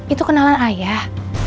itu kenalan ayah